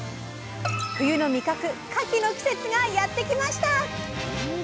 冬の味覚かきの季節がやって来ました。